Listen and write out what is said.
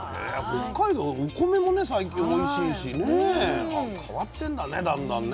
北海道お米もね最近おいしいしね変わってんだねだんだんね。